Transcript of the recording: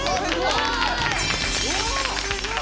すごい！